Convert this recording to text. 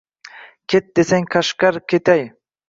Ket desang Qashqar ketay